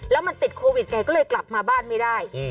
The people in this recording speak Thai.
แล้วมันติดโควิดไงก็เลยกลับมาบ้านไม่ได้